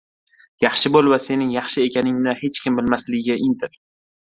Yaxshi bo‘l va sening yaxshi ekaningni hech kim bilmasligiga intil.